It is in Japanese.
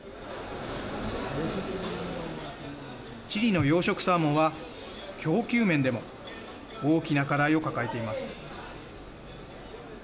チリの養殖サーモンは供給面でも大きな課題を抱えています。